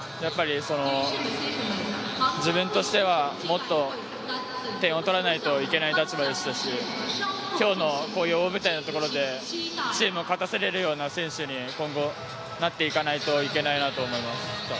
自分としてはもっと点を取らないといけない立場でしたし、今日の大舞台のところでチームを勝たせられるような選手に今後、なっていかないといけないなと思います。